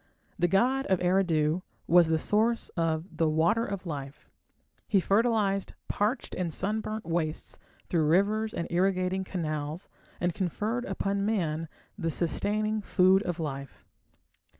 The god of Eridu was the source of the "water of life". He fertilized parched and sunburnt wastes through rivers and irrigating canals, and conferred upon man the sustaining "food of life".